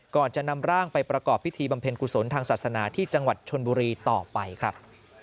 ก่อนจะนำร่างไปประกอบพิธีบำเพ็ญกุศลทางศาสนาที่จังหวัดชนบุรีต่อไปครับ